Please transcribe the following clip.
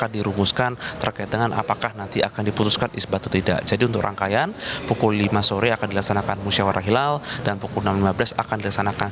dan pukul enam lima belas akan dilaksanakan